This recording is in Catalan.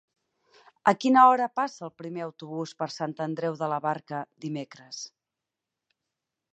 A quina hora passa el primer autobús per Sant Andreu de la Barca dimecres?